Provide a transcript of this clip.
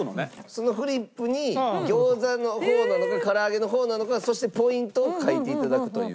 そのフリップに餃子の方なのかから揚げの方なのかそしてポイントを書いて頂くという。